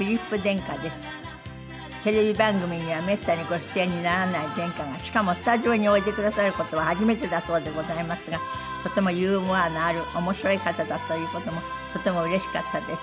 テレビ番組にはめったにご出演にならない殿下がしかもスタジオにおいでくださる事は初めてだそうでございますがとてもユーモアのある面白い方だという事もとてもうれしかったです。